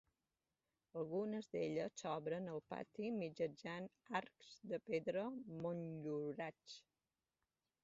Algunes d'elles s'obren al pati mitjançant arcs de pedra motllurats.